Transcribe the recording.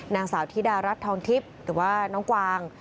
นางสาวธิดารัฐทองทิพย์หรือว่าน้องกวาง